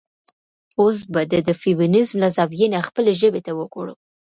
اوس به د د فيمينزم له زاويې نه خپلې ژبې ته وګورو.